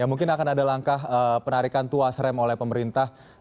ya mungkin akan ada langkah penarikan tuas rem oleh pemerintah